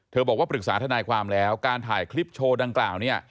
บอกว่าปรึกษาทนายความแล้วการถ่ายคลิปโชว์ดังกล่าวเนี่ย